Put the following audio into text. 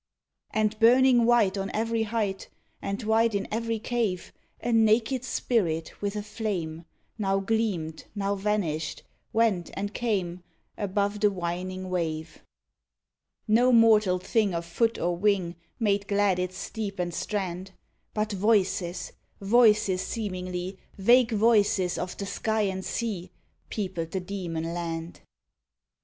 And burning white on every height, And white in every cave, A naked spirit, with a flame, Now gleamed, now vanished; went and came Above the whining wave. No mortal thing of foot or wing Made glad its steep and strand; But voices, voices seemingly Vague voices of the sky and sea Peopled the demon land.